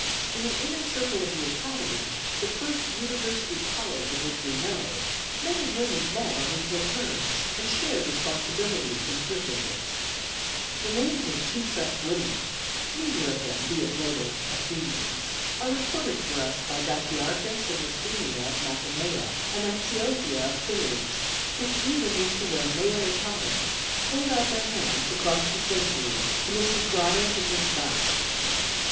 In the inner circle of the Academy, the first University College of which we know, men and women met on equal terms, and shared responsiblities and privileges. The names 178 FEMINISM IN GREEK LITERATURE of two such women (neither of them, be it noted, Athenians) are recorded for us by Dicaearchus and Lastheneia of Mantinea and Axiothea of Phlius, ' who even used to wear male attire,' hold out their hands across the centuries to Mrs. Bryant and Miss Busk.